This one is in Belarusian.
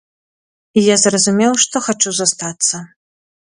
І я зразумеў, што хачу застацца.